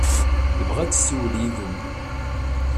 Tebɣa ad tessiwel yid-m.